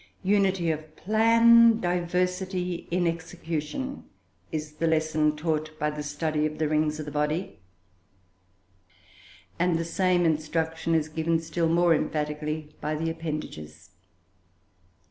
Unity of plan, diversity in execution, is the lesson taught by the study of the rings of the body, and the same instruction is given still more emphatically by the appendages.